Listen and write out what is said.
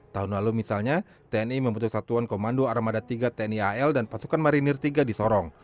tahun lalu misalnya tni membentuk satuan komando armada tiga tni al dan pasukan marinir tiga di sorong